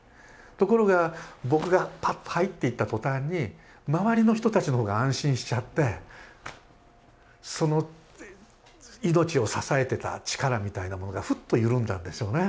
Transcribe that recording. ところが僕がパッと入っていった途端に周りの人たちの方が安心しちゃってその命を支えてた力みたいなものがふっと緩んだんでしょうね。